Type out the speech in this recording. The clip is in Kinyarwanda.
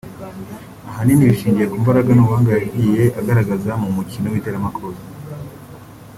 ahanini bishingiye ku mbaraga n’ubuhanga yagiye agaragaza mu mukino w’iteramakofi